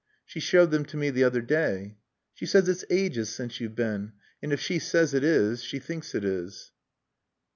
"She showed them to me the other day." "She says it's ages since you've been. And if she says it is she thinks it is."